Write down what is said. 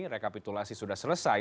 rekapitulasi sudah selesai